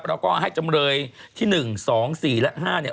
แล้วก็ให้จำเลยที่๑๒๔และ๕เนี่ย